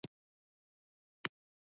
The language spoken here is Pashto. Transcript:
هګۍ پخول تر ټولو اسانه کار دی.